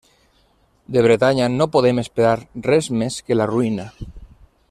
De Bretanya no podem esperar res més que la ruïna.